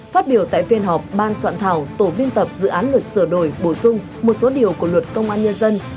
phát biểu tại phiên họp ban soạn thảo tổ biên tập dự án luật sửa đổi bổ sung một số điều của luật công an nhân dân